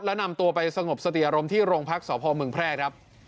ละนำตัวไปสงบสติอารมณ์ที่รองพรักษ์ศพวงค์เมืองแพรกครับ